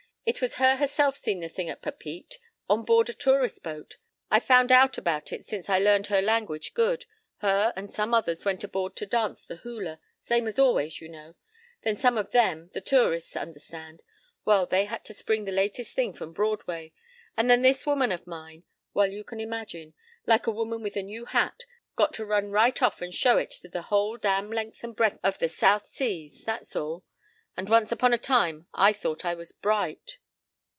It was her herself seen the thing at Papeete. On board a tourist boat. I found out about it since I learned her language good. Her and some others went aboard to dance the hula—same as always, you know. Then some of them, the tourists, understand—Well, they had to spring the latest thing from Broadway. And then this woman of mine—Well, you can imagine. Like a woman with a new hat. Got to run right off and show it to the whole damn length and breadth of the South Seas. That's all.—And once upon a time I thought I was bright.